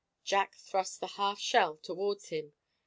Jack thrust the half shell towards him.